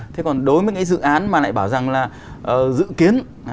thế còn đối với những cái dự án mà lại bảo rằng là dự kiến